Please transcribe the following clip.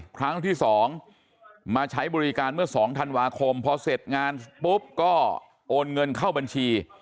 ครั้งที่๒มาใช้บริการเมื่อ๒ธันวาคมพอเสร็จงานปุ๊บก็โอนเงินเข้าบัญชี